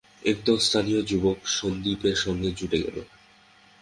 একদল স্থানীয় যুবক সন্দীপের সঙ্গে জুটে গেল।